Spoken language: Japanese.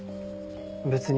別に。